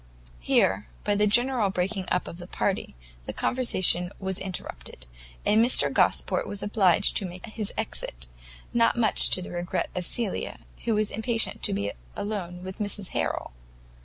Here, by the general breaking up of the party, the conversation was interrupted, and Mr Gosport was obliged to make his exit; not much to the regret of Cecilia, who was impatient to be alone with Mrs Harrel.